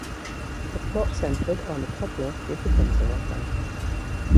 The plot centered on a cobbler who becomes a rabbi.